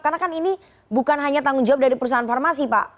karena kan ini bukan hanya tanggung jawab dari perusahaan farmasi pak